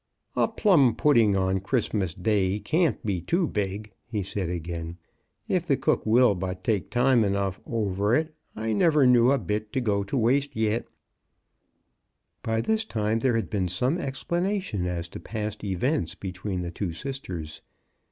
"A plum pudding on Christmas day can't be too big," he said again, "if the cook will but take time enough over it, I never knew a bit to go to waste yet." 78 CHRISTMAS AT THOMPSON HALL. By this time there had been some explana tion as to past events between the two sisters.